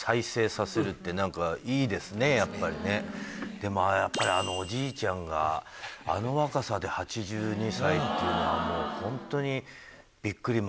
でもやっぱりあのおじいちゃんがあの若さで８２歳っていうのはもうホントに。